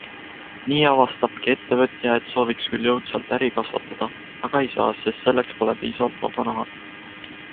Nii avastabki ettevõtja, et sooviks küll jõudsalt äri kasvatada, aga ei saa, sest selleks pole piisavalt vaba raha.